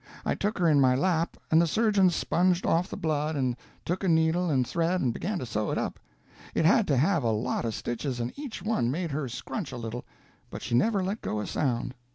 I took her in my lap, and the surgeon sponged off the blood and took a needle and thread and began to sew it up; it had to have a lot of stitches, and each one made her scrunch a little, but she never let go a sound.